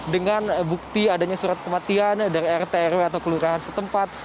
dengan bukti adanya surat kematian dari rtrw atau keluarga setempat